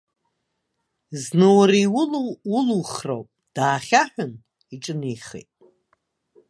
Зны уара иулоу улухроуп, даахьаҳәын иҿынеихеит.